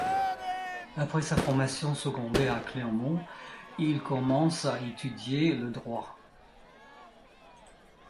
Après sa formation secondaire à Clermont, il commence à étudier le droit.